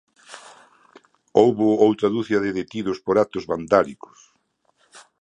Houbo outra ducia de detidos por actos vandálicos.